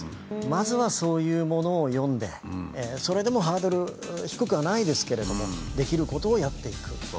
まずはそういうものを読んでそれでもハードル低くはないですけれどもできることをやっていく。